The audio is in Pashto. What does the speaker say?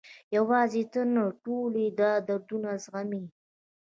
یوازې ته نه، ټول یې دا دردونه زغمي.